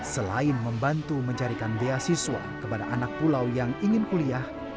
selain membantu mencarikan beasiswa kepada anak pulau yang ingin kuliah